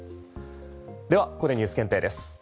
ではここでＮＥＷＳ検定です。